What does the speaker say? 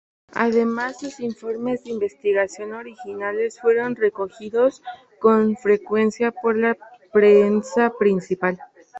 Además, sus informes de investigación originales fueron recogidos con frecuencia por la prensa principal.